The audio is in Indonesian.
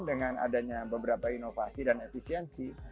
dengan adanya beberapa inovasi dan efisiensi